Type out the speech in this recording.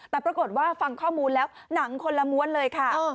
แต่ปรากฏว่าฟังข้อมูลแล้วหนังคนละม้วนเลยค่ะ